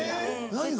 ・何が？